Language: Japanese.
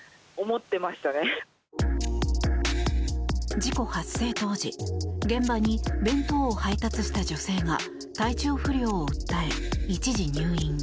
事故発生当時現場に弁当を配達した女性が体調不良を訴え一時入院。